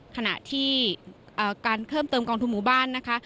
ขณะที่การเพิ่มเติมกองทุนหมู่บ้านนะคะ